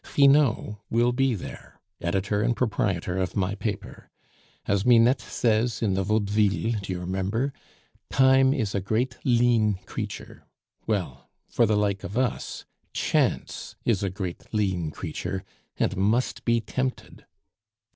Finot will be there, editor and proprietor of my paper. As Minette says in the Vaudeville (do you remember?), 'Time is a great lean creature.' Well, for the like of us, Chance is a great lean creature, and must be tempted."